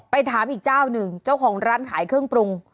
ถามอีกเจ้าหนึ่งเจ้าของร้านขายเครื่องปรุง